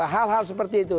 hal hal seperti itu